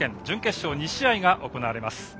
準決勝２試合が行われます。